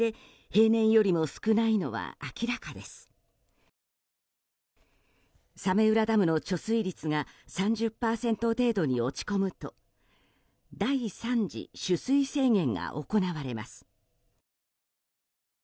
早明浦ダムの貯水率が３０％程度に落ち込むと第３次取水制限が行われます。